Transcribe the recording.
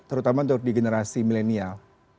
terutama untuk di generasi milenial